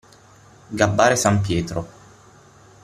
Gabbare San Pietro.